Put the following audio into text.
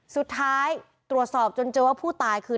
สุดท้ายตรวจสอบจนเจอว่าผู้ตายคือ